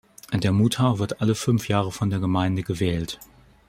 Der Muhtar wird alle fünf Jahre von der Gemeinde gewählt.